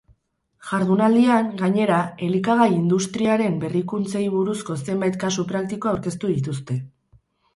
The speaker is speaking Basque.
Jardunaldian, gainera, elikagai industriaren berrikuntzei buruzko zenbait kasu praktiko aurkeztu dituzte.